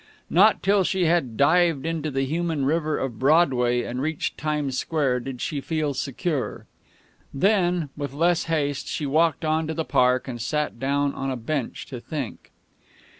Not till she had dived into the human river of Broadway and reached Times Square did she feel secure. Then, with less haste, she walked on to the park, and sat down on a bench, to think.